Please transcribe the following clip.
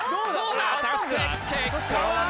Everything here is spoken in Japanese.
果たして結果は？